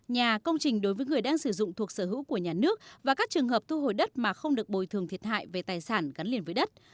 nhà công trình đối với người đang sử dụng thuộc sở hữu của nhà nước và các trường hợp thu hồi đất mà không được bồi thường thiệt hại về tài sản gắn liền với đất